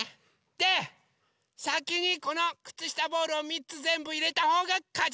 でさきにこのくつしたボールを３つぜんぶいれたほうがかち！